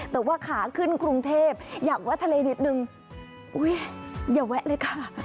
แต่ว่าขาขึ้นกรุงเทพอยากแวะทะเลนิดนึงอย่าแวะเลยค่ะ